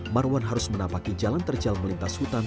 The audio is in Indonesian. marwan harus menapaki jalan terjal melintas hutan